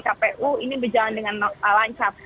kpu ini berjalan dengan lancar